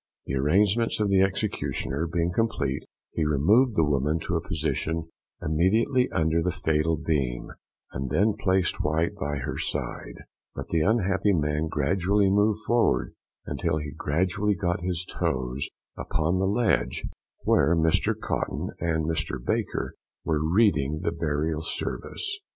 The arrangements of the executioner being complete, he removed the woman to a position immediately under the fatal beam, and then placed White by her side; but the unhappy man gradually moved forward, until he gradually got his toes upon the ledge, where Mr Cotton and Mr. Baker were reading the Burial Service.